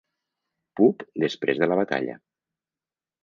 Pub després de la batalla.